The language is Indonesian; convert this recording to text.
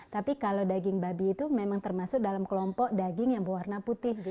tapi kalau daging babi itu memang termasuk dalam kelompok daging yang berwarna putih